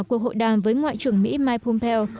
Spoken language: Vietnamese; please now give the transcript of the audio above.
cuộc hội đàm với ngoại trưởng mỹ mike pompeo